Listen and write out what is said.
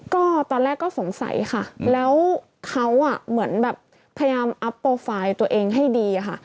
ก็ตอนแรกก็สงสัยค่ะแล้วเขาอ่ะเหมือนแบบพยายามอัพโปรไฟล์ตัวเองให้ดีค่ะ